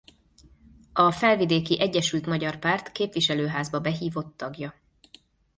A felvidéki Egyesült Magyar Párt képviselőházba behívott tagja.